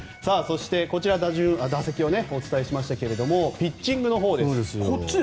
こちらは打順をお伝えしましたがピッチングのほうです。